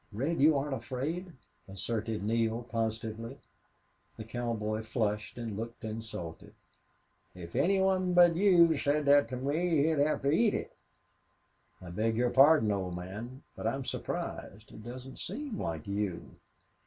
"Red, you aren't afraid," asserted Neale, positively. The cowboy flushed and looked insulted. "If any one but you said thet to me he'd hev to eat it." "I beg your pardon, old man. But I'm surprised. It doesn't seem like you....